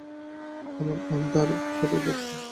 আমার আন্ধার ঘরের বাতি।